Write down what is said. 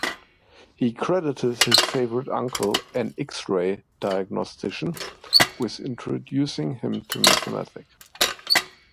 He credited his favorite uncle, an X-ray diagnostician, with introducing him to mathematics.